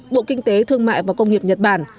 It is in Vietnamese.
bộ kinh tế thương mại và công nghiệp nhật bản